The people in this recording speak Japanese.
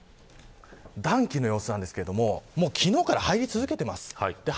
暖気の様子ですが昨日から入り続けています。